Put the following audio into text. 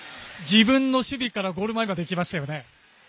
自分の守備からゴール前まで行きましたね。